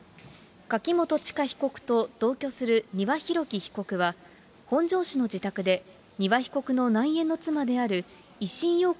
柿本ちか被告と同居する丹羽ひろき被告は、本庄市の自宅で、丹羽被告の内縁の妻である石井ようこ